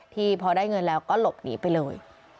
พอได้เงินแล้วก็หลบหนีไปเลย